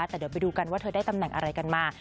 แต่เดี๋ยวไปดูกันว่าเธอได้ตำแหน่งอะไรกันมา